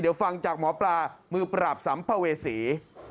เดี๋ยวฟังจากหมอปลามือปราบสัมภเวษี